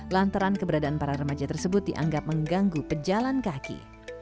lantaran keberadaan para remaja tersebut dianggap mengganggu pejalan kaki